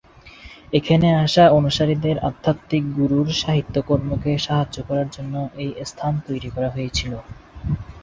এখানে আসা অনুসারীদের আধ্যাত্মিক গুরুর সাহিত্য কর্মকে সাহায্য করার জন্য এই স্থান তৈরি করা হয়েছিল।